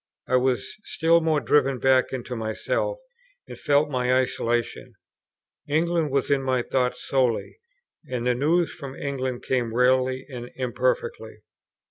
I was still more driven back into myself, and felt my isolation. England was in my thoughts solely, and the news from England came rarely and imperfectly.